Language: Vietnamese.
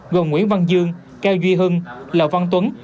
gồm nguyễn văn dương cao duy hưng lò văn tuấn